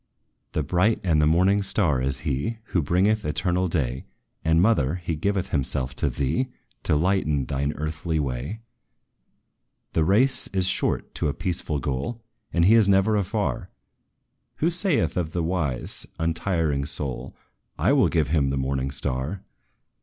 "'The bright and the morning star' is he, Who bringeth eternal day! And, mother, he giveth himself to thee, To lighten thine earthly way. "The race is short to a peaceful goal, And He is never afar, Who saith of the wise, untiring soul, 'I will give him the morning star!'